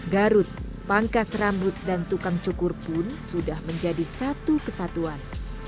garut pangkas rambut dan tukang cukur pun sudah menjadi satu kesatuan